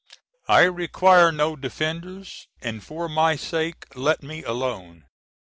I require no defenders and for my sake let me alone.